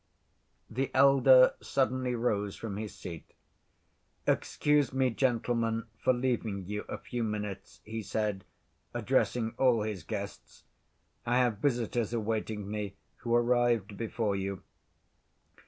The elder suddenly rose from his seat. "Excuse me, gentlemen, for leaving you a few minutes," he said, addressing all his guests. "I have visitors awaiting me who arrived before you.